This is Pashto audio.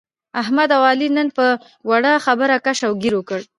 احمد او علي نن په وړه خبره کش او ګیر وکړ.